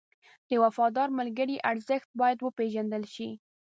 د وفادار ملګري ارزښت باید وپېژندل شي.